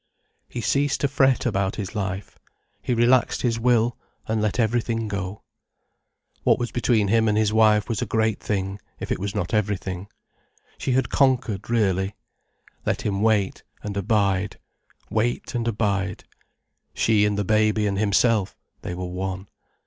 He ceased to fret about his life. He relaxed his will, and let everything go. What was between him and his wife was a great thing, if it was not everything. She had conquered, really. Let him wait, and abide, wait and abide. She and the baby and himself, they were one.